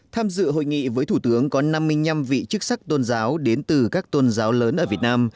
tham dự hội nghị với thủ tướng có năm mươi năm vị chức sắc tôn giáo đến từ các tôn giáo lớn ở việt nam